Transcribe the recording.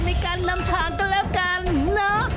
ในการนำทางก็แล้วกันเนอะ